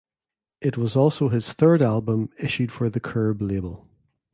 It was also his third album issued for the Curb label.